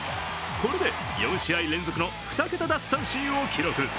これで４試合連続の２桁奪三振を記録。